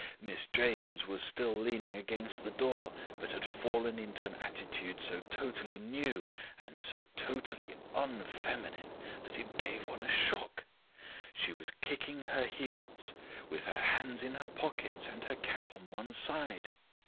Miss James was still leaning against the door, but had fallen into an attitude so totally new, and so totally unfeminine, that it gave one a shock. She was kicking her heels, with her hands in her pockets and her cap on one side.